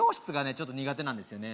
ちょっと苦手なんですよね